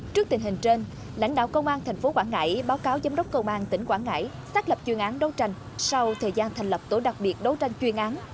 trước tình hình trên lãnh đạo công an tp quảng ngãi báo cáo giám đốc công an tỉnh quảng ngãi xác lập chuyên án đấu tranh sau thời gian thành lập tổ đặc biệt đấu tranh chuyên án